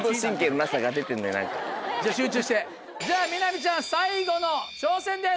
集中してじゃあ美波ちゃん最後の挑戦です！